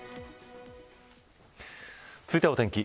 続いてはお天気。